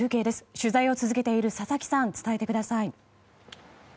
取材を続けている佐々木さん伝えてください。